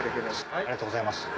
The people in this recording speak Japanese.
ありがとうございます。